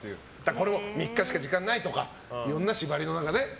これも３日しか時間ないとかいろんな縛りの中で。